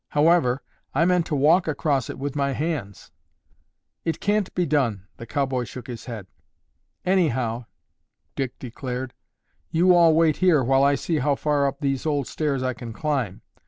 "However, I meant to walk across it with my hands." "It can't be done." The cowboy shook his head. "Anyhow," Dick declared, "you all wait here while I see how far up these old stairs I can climb.